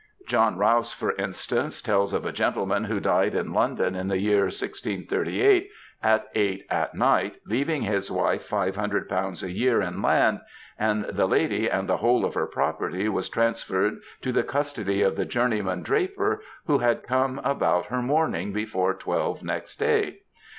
John Rows, for instance, teUs of a gentleman who died in London in the year 1688, at eight at night, leaving his wife j?500 a year in land ; and the lady and the whole of her property was transferred to the custody of the journeyman draper who had come about her mourning, before twelve next day.